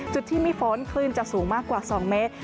จุดที่มีฝนคลื่นจะสูงมากกว่า๒เมตร